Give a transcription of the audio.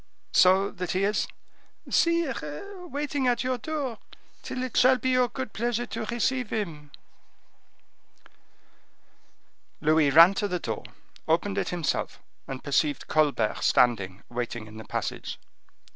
"So that he is—" "Sire, waiting at your door, till it shall be your good pleasure to receive him." Louis ran to the door, opened it himself, and perceived Colbert standing waiting in the passage.